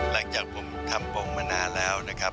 หลังจากผมทำปงมานานแล้วนะครับ